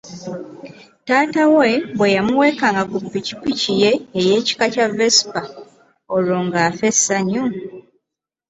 Taata we bwe yamuweekangako ku pikipiki ye ey’ekika kya Vespa olwo ng'afa essanyu.